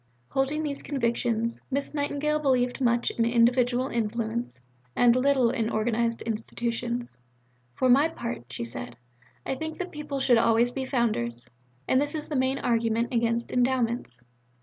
Holding these convictions, Miss Nightingale believed much in individual influence, and little in organized institutions. "For my part," she said, "I think that people should always be Founders. And this is the main argument against Endowments.